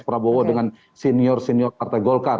prabowo dengan senior senior partai golkar